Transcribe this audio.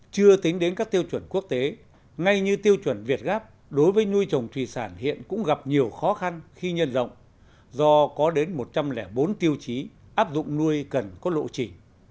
chưa tính đến các tiêu chuẩn quốc tế ngay như tiêu chuẩn việt gáp đối với nuôi trồng thủy sản hiện cũng gặp nhiều khó khăn khi nhân rộng do có đến một trăm linh bốn tiêu chí áp dụng nuôi cần có lộ trình